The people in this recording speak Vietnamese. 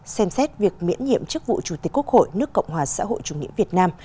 xem xét việc miễn nhiệm chức vụ chủ tịch quốc hội nước cộng hòa xã hội chủ nghĩa việt nam